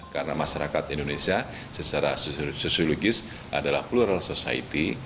karena masyarakat indonesia secara sosiologis adalah plural society